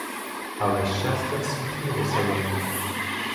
Але щастя всміхнулося йому.